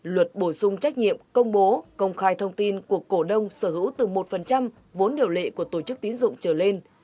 luật bổ sung trách nhiệm công bố công khai thông tin của cổ đông sở hữu từ một vốn điều lệ của tổ chức tín dụng trở lên